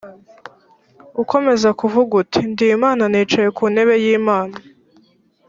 ukomeza kuvuga uti ndi imana nicaye ku ntebe y’imana